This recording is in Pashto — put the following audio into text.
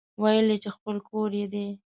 ويل يې چې خپل کور يې دی.